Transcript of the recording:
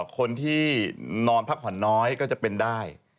คนที่นอนพักผ่อนน้อยก็จะเป็นได้